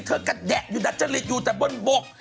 เธอก็แดะอยู่ดัชริตอยู่แต่บนบก